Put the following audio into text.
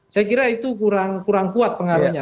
saya kira itu kurang kuat pengaruhnya